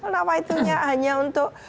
nawaitunya hanya untuk